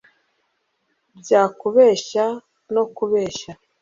bya kubeshya no kubeshya